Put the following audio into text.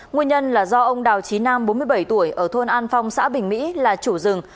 nguyên nhân là do ông đào trí nam bốn mươi bảy tuổi ở thôn an phong xã bình mỹ là chủ rừng